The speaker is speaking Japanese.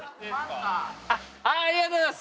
ありがとうございます。